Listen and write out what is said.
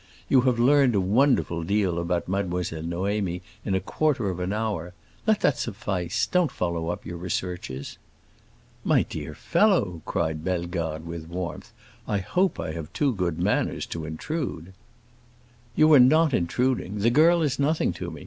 You have learned a wonderful deal about Mademoiselle Noémie in a quarter of an hour. Let that suffice; don't follow up your researches." "My dear fellow," cried Bellegarde with warmth, "I hope I have too good manners to intrude." "You are not intruding. The girl is nothing to me.